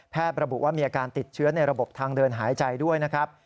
ระบุว่ามีอาการติดเชื้อในระบบทางเดินหายใจด้วยนะครับ